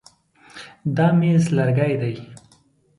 دا مېز لرګی دی.